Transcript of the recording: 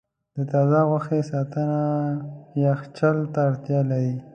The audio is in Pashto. د تازه غوښې ساتنه یخچال ته اړتیا لري.